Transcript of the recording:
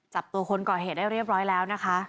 จับตัวคนก่อเหตุได้เรียบร้อยแล้วนะคะ